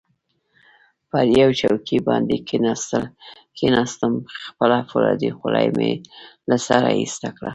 پر یوې چوکۍ باندې کښېناستم، خپله فولادي خولۍ مې له سره ایسته کړه.